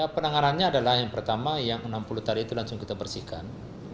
penanganannya adalah yang pertama yang enam puluh tadi itu langsung kita bersihkan